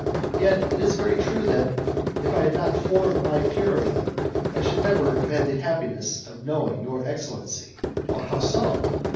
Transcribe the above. Yet, it is very true that, if I had not formed my pyramid, I never should have had the happiness of knowing your excellency." "How so?"